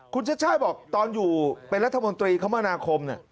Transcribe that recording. คุณชาติชาติบอกตอนอยู่เป็นรัฐมนตรีคมนาคม